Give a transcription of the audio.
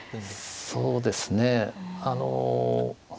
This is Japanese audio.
そうですねあの。